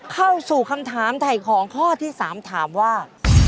เข้าสู่คำถามถ่ายของข้อที่๓ถามว่า